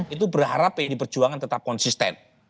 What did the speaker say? itu berharap pdi perjuangan tetap konsisten